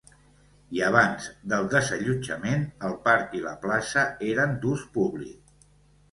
I abans del desallotjament, el parc i la plaça eren d'ús públic.